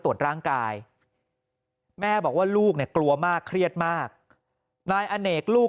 ตรวจร่างกายแม่บอกว่าลูกเนี่ยกลัวมากเครียดมากนายอเนกลูก